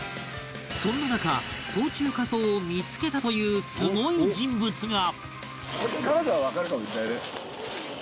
そんな中冬虫夏草を見付けたというすごい人物が